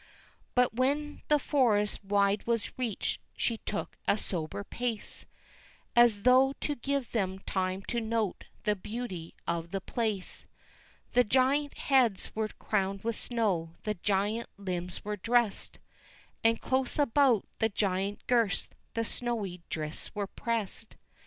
But when the forest wide was reached she took a sober pace, As though to give them time to note the beauty of the place, The giant heads were crowned with snow, the giant limbs were dressed, And close about the giant girths the snowy drifts were pressed.